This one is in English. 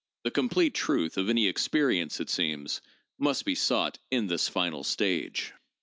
The complete 'truth' of any experience, it seems, must be sought in this final stage.